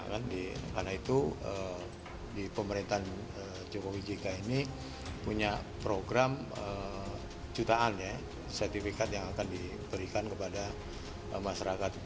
karena itu di pemerintahan jokowi jki ini punya program jutaan sertifikat yang akan diberikan kepada masyarakat